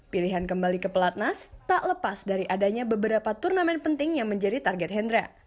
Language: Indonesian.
pilihan kembali ke pelatnas tak lepas dari adanya beberapa turnamen penting yang menjadi target hendra